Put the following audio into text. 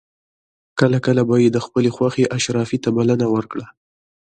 کله کله به یې خپلې خوښې اشرافي ته بلنه ورکړه.